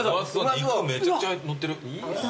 肉めちゃくちゃ載ってる。